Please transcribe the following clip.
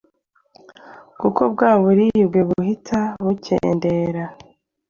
kuko bwa buribwe buhita bukendera.